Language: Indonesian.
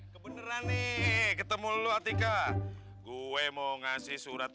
kebeneran nih ketemu lu atika gue mau ngasih surat